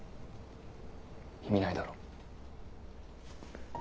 意味ないだろ。